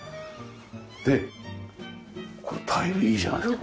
でこれタイルいいじゃないですか。